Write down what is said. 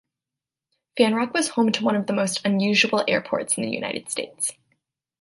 Fanrock was home to one of the most unusual airports in the United States.